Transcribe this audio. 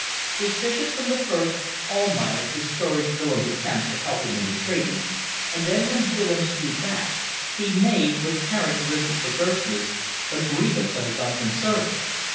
Suspicious from the first, Almayer discouraged Willems' attempts to help him in his trading, and then when Willems drew back, he made, with characteristic perverseness, a grievance of his unconcern.